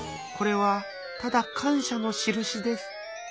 これはただ感しゃのしるしです」。